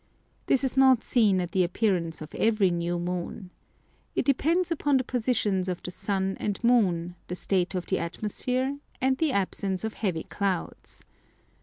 This is not seen at the appearance of every new moon. It depends upon the positions of the sun and moon, the state of the atmosphere, and the absence of heavy clouds.